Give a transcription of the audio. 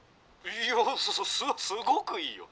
「いやすごくいいよ！